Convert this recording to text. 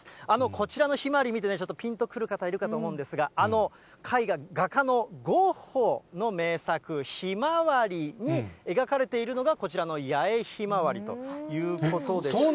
こちらのひまわり見てぴんとくる方、いるかと思うんですが、あの絵画、画家のゴッホの名作、ひまわりに描かれているのが、こちらの八重ひまわりということでして。